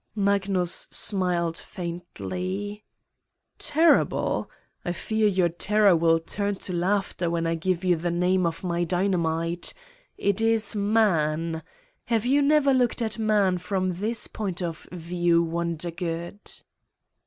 Magnus smiled faintly. "Terrible! I fear your terror will turn to laughter when I give you the name of my dyna mite. It is man. Have you never looked at man from this point of view, Wondergood?"